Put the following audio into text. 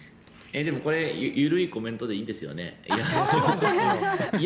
でもこれ、緩いコメントでいいんですよね？